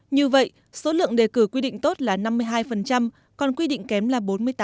như vậy số lượng đề cử quy định tốt là năm mươi hai còn quy định kém là bốn mươi tám